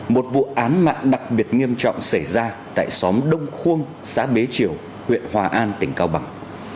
một vụ án mạng đặc biệt nghiêm trọng xảy ra tại xóm đông khuông xã bế triều huyện hòa an tỉnh cao bằng